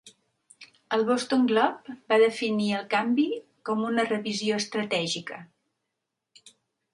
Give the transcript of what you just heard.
El Boston Globe va definir el canvi com una "revisió estratègica".